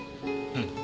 うん。